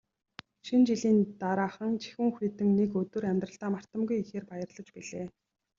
Шинэ жилийн дараахан жихүүн хүйтэн нэг өдөр амьдралдаа мартамгүй ихээр баярлаж билээ.